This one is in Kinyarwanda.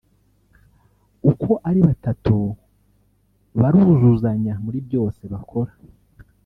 uko ari batatu baruzuzanya muri byose bakora